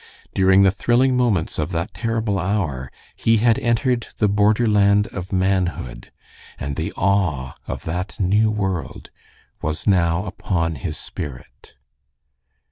During the thrilling moments of that terrible hour he had entered the borderland of manhood, and the awe of that new world was now upon his spirit.